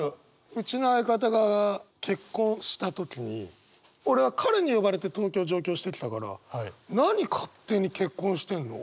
うちの相方が結婚した時に俺は彼に呼ばれて東京上京してきたから何勝手に結婚してんの？